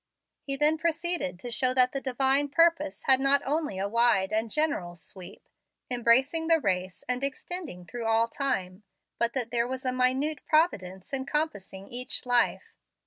He then proceeded to show that the Divine purpose had not only a wide and general sweep, embracing the race, and extending through all time, but that there was a minute providence encompassing each life.